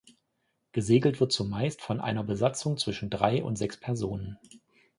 Gesegelt wird zumeist mit einer Besatzung zwischen drei und sechs Personen.